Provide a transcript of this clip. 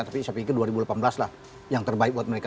tapi saya pikir dua ribu delapan belas lah yang terbaik buat mereka